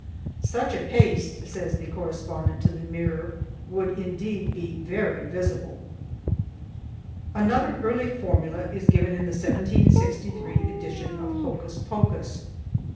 "Such a paste," says the correspondent to the Mirror, "would indeed be very visible." Another early formula is given in the 1763 edition of Hocus Pocus.